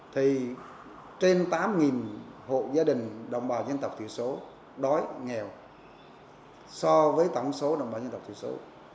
thì trên tám hộ gia đình đồng bào dân tộc thiểu số đói nghèo so với tổng số đồng bào dân tộc thiểu số